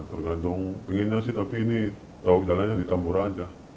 tergantung pengennya sih tapi ini jalan jalannya di tamboraja